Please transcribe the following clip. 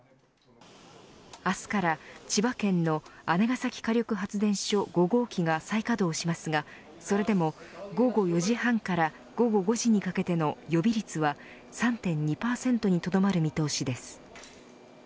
明日から千葉県の姉崎火力発電所５号機が再稼働しますがそれでも午後４時半から午後５時にかけての予備率は３．２％にとどまる見通しです。